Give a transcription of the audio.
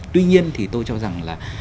tuy nhiên thì tôi cho rằng là